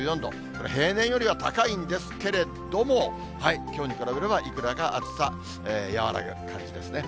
これ、平年よりは高いんですけれども、きょうに比べれば、いくらか暑さ和らぐ感じですね。